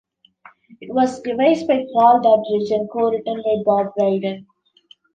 It was devised by Paul Duddridge and co written with Rob Brydon.